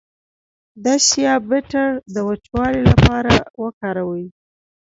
د شیا بټر د وچوالي لپاره وکاروئ